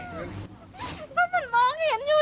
มันมองเห็นอยู่เนี่ยไม่มีหุ้น